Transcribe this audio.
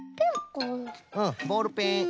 うんボールペン。